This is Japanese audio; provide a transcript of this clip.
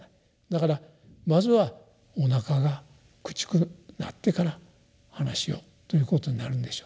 だからまずはおなかがくちくなってから話をということになるんでしょう。